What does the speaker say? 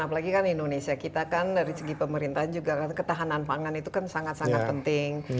apalagi kan indonesia kita kan dari segi pemerintahan juga kan ketahanan pangan itu kan sangat sangat penting